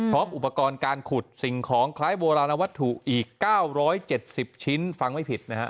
พร้อมอุปกรณ์การขุดสิ่งของคล้ายโบราณวัตถุอีก๙๗๐ชิ้นฟังไม่ผิดนะฮะ